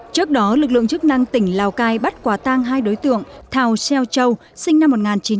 trước đó lực lượng chức năng tỉnh lào cai bắt quả tang hai đối tượng thào xeo châu sinh năm một nghìn chín trăm tám mươi